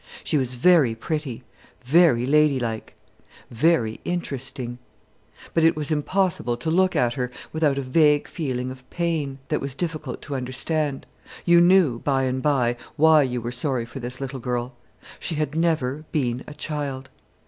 She was very pretty, very lady like, very interesting; but it was impossible to look at her without a vague feeling of pain, that was difficult to understand. You knew, by and by, why you were sorry for this little girl. She had never been a child.